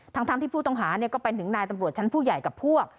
ทั้งที่ผู้ต้องหาก็ไปถึงนายตำรวจชั้นผู้ใหญ่กับพวก